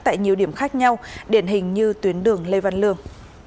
tại nhiều điểm khác nhau điển hình như tuyến đường lê văn lương